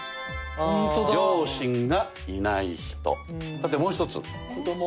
さてもう一つ。